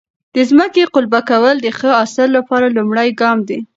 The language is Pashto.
د ځمکې قلبه کول د ښه حاصل لپاره لومړی ګام دی.